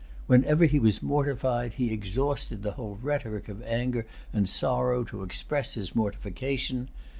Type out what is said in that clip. Whenever he was mortified, he exhausted the whole rhetoric of anger and sorrow to express his mortification.